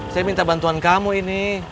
saya minta bantuan kamu ini